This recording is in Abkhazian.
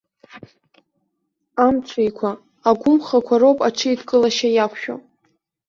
Амҽеиқәа, агәымхақәа роуп аҽеидкылашьа иақәшәо.